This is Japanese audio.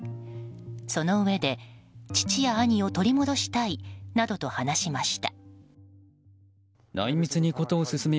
そのうえで、父や兄を取り戻したいなどと話しました。